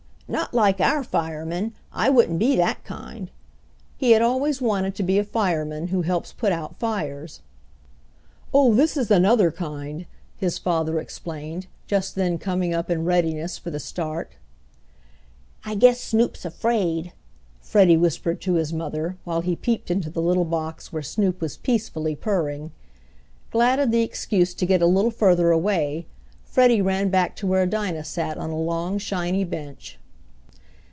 "Not like our firemen. I wouldn't be that kind," He had always wanted to be a fireman who helps to put out fires. "Oh, this is another kind," his father explained, just then coming up in readiness for the start. "I guess Snoop's afraid," Freddie whispered to his mother, while he peeped into the little box where Snoop was peacefully purring. Glad of the excuse to get a little further away, Freddie ran back to where Dinah sat on a long shiny bench.